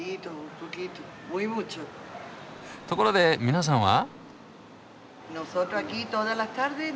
ところで皆さんは？